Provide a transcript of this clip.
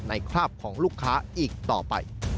คราบของลูกค้าอีกต่อไป